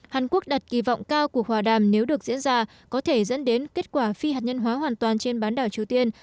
hàn quốc đặt kỳ vọng cao cuộc hòa đàm nếu được diễn ra có thể dẫn đến kết quả phi hạt nhân hóa hoàn toàn trên bán đảo triều tiên